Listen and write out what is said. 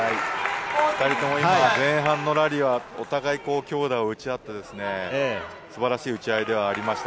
２人とも今、前半のラリーはお互い、強打を打ち合って、素晴らしい打ち合いではありました。